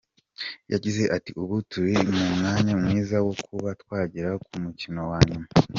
Yagize ati “Ubu turi mu mwanya mwiza wo kuba twagera ku mukino wa nyuma.